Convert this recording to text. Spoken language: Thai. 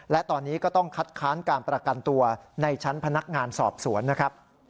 และตอนนี้ก็ต้องคัดค้านการประกันตัวในชั้นพนักงานสอบสวนนะครับ